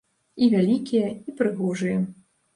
І вялікія, і прыгожыя.